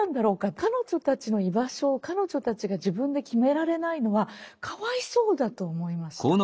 彼女たちの居場所を彼女たちが自分で決められないのはかわいそうだと思いました。